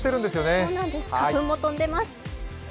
そうなんです、花粉も飛んでいます。